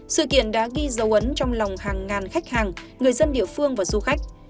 sự kiện đã ghi dấu ấn trong lòng hàng ngàn khách hàng người dân địa phương và du khách